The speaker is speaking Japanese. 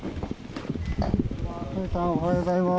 おはようございます。